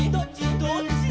「どっち」